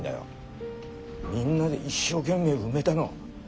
みんなで一生懸命埋めたの。